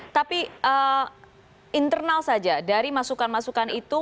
tapi internal saja dari masukan masukan itu